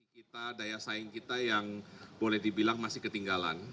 kita daya saing kita yang boleh dibilang masih ketinggalan